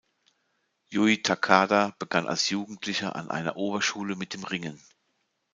Yūji Takada begann als Jugendlicher an einer Oberschule mit dem Ringen.